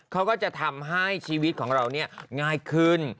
เขาก็จะทำให้ชีวิตของเราเนี่ยง่ายขึ้น